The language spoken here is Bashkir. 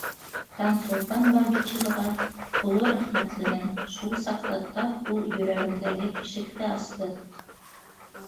Таңсулпан Бабичеваға оло рәхмәтлемен, шул саҡта тап ул йөрәгемдәге ишекте асты.